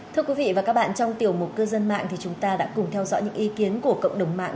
thưa quý vị và các bạn trong tiểu mục cư dân mạng thì chúng ta đã cùng theo dõi những ý kiến của cộng đồng mạng